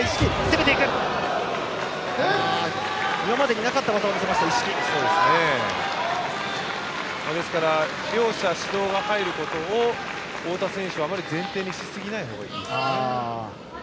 今までになかった技を見せた、一色。ですから、両者指導が入ることを太田選手はあまり前提にしすぎない方がいいです。